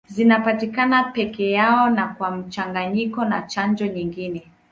Zinapatikana peke yao na kwa mchanganyiko na chanjo nyingine.